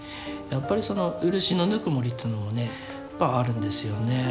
やっぱりその漆のぬくもりというのもねあるんですよね。